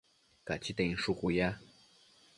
Cachita inshucu ya